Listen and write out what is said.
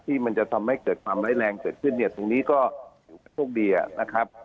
ที่จะทำให้เกิดความไร้แรงเกิดขึ้นตรงนี้ก็อยู่กับโชคดีอะนะครับ